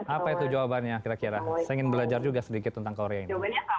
apa itu jawabannya kira kira saya ingin belajar juga sedikit tentang korea ini